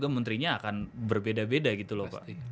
menterinya akan berbeda beda gitu loh pak